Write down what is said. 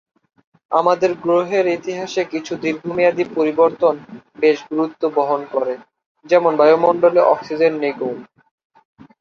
আমাদের গ্রহের ইতিহাসে কিছু দীর্ঘমেয়াদী পরিবর্তন বেশ গুরুত্ব বহন করে- যেমন বায়ুমন্ডলে অক্সিজেন নিগম।